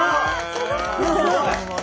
すごい！